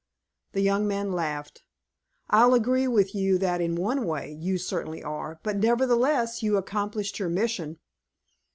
The young man laughed. "I'll agree with you that in one way, you certainly are, but nevertheless you accomplished your mission."